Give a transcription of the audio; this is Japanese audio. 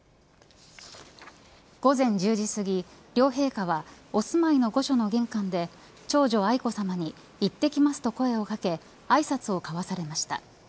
午前１０時すぎ両陛下はお住まいの御所の玄関で長女・愛子さまにいってきますと声をかけ挨拶を交わされました。